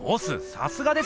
さすがです！